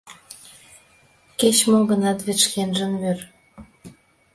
Кеч-мо гынат вет шкенжын вӱр